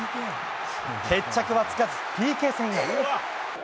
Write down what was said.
決着はつかず、ＰＫ戦へ。